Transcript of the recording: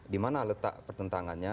di mana letak pertentangannya